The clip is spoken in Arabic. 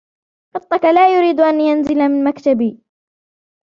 قطك لا يريد أن ينزل من مكتبي.